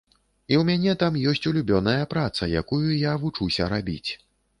І ў мяне там ёсць улюбёная праца, якую я вучыўся рабіць.